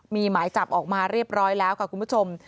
มีหมายจับออกมาเรียบร้อยแล้วค่ะคุณผู้ชม